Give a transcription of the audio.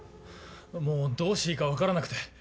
もうどうしていいか分からなくて。